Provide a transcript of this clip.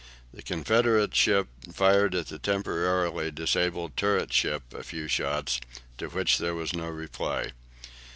The Confederate ship fired at the temporarily disabled turret ship a few shots, to which there was no reply.